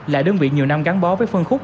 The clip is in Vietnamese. là đơn vị nhiều năm gắn bó với phân khúc